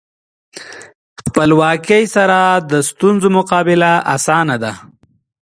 خپلواکۍ سره د ستونزو مقابله اسانه ده.